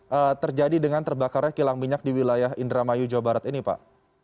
apa yang terjadi dengan terbakarnya kilang minyak di wilayah indramayu jawa barat ini pak